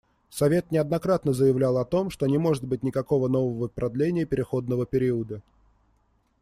Совет неоднократно заявлял о том, что не может быть никакого нового продления переходного периода.